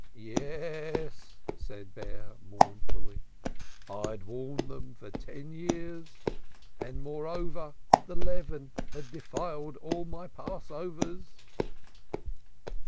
"Yes," said Bear mournfully, "I had worn them for ten years and moreover the leaven had denied all my Passovers."